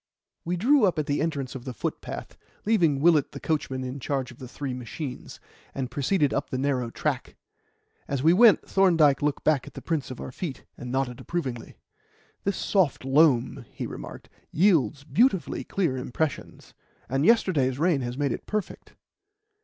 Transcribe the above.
We drew up at the entrance to the footpath, leaving Willett the coachman in charge of the three machines, and proceeded up the narrow track. As we went, Thorndyke looked back at the prints of our feet, and nodded approvingly. "This soft loam," he remarked, "yields beautifully clear impressions, and yesterday's rain has made it perfect."